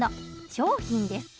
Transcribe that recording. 商品です。